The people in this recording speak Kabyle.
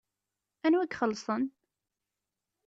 Anwa i ixelṣen?